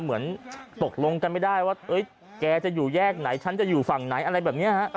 เหมือนตกลงกันไม่ได้ว่าแกจะอยู่แยกไหนฉันจะอยู่ฝั่งไหนอะไรแบบนี้ฮะ